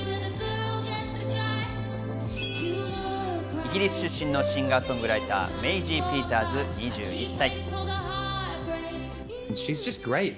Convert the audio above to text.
イギリス出身のシンガー・ソングライター、メイジー・ピーターズ２１歳。